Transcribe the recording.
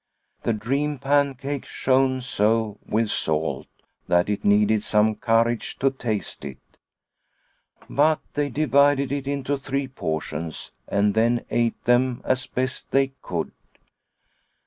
The dream pancake shone so with salt that it needed some courage to taste it. But they divided it into three portions, and then ate them as best they could.